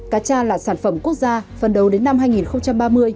cà cha là sản phẩm quốc gia phần đầu đến năm hai nghìn ba mươi